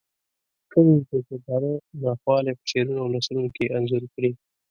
ښځو د ژوندانه ناخوالی په شعرونو او نثرونو کې انځور کړې.